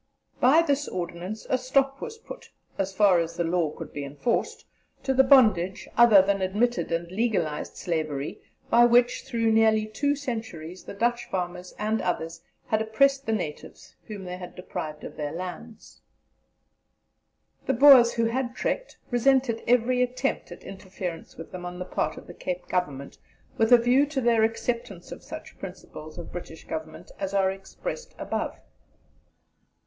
By this ordinance a stop was put, as far as the law could be enforced, to the bondage, other than admitted and legalized slavery, by which through nearly two centuries the Dutch farmers and others had oppressed the natives whom they had deprived of their lands." The Boers who had trekked resented every attempt at interference with them on the part of the Cape Government with a view to their acceptance of such principles of British Government as are expressed above.